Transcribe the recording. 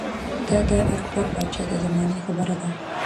دا د اکبر باچا د زمانې خبره ده